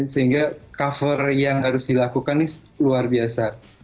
sehingga cover yang harus dilakukan ini luar biasa